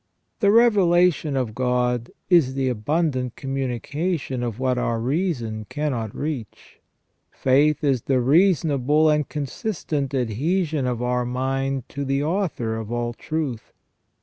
The revelation of God is the abundant communication of what our reason cannot reach. Faith is the reasonable and consistent adhesion of our mind to the Author of all truth.